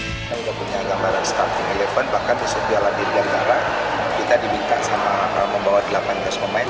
kita sudah punya gambaran starting eleven bahkan untuk piala dirgantara kita diminta sama membawa delapan belas pemain